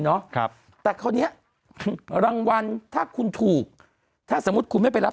เนาะครับแต่คราวเนี้ยรางวัลถ้าคุณถูกถ้าสมมุติคุณไม่ไปรับ